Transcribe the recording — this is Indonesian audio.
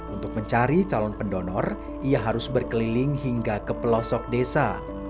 untuk mencari calon pendonor ia harus berkeliling hingga ke pelosok desa